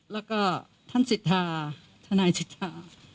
แล้วก็ท่านศิษฐาท่านายศิษฐา